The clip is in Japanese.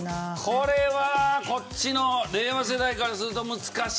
これはこっちの令和世代からすると難しいか。